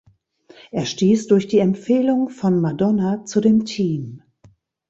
Er stieß durch die Empfehlung von Madonna zu dem Team.